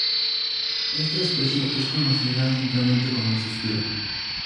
Esta especie es conocida simplemente como 'Suspiro'.